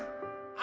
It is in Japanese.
「あ！」